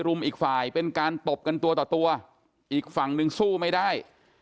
อีกฝ่ายเป็นการตบกันตัวต่อตัวอีกฝั่งหนึ่งสู้ไม่ได้